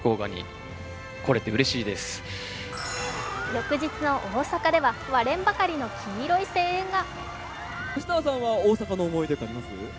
翌日の大阪では割れんばかりの黄色い声援が。